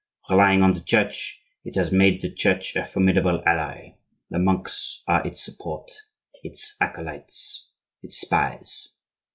Relying on the Church, it has made the Church a formidable ally; the monks are its support, its acolytes, its spies.